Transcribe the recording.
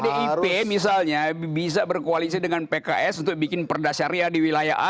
kalau pdip misalnya bisa berkoalisi dengan pks untuk bikin perdasyariah di wilayah a